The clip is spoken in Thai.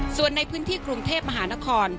ส่วนในพื้นที่กรุงเทพมหานคร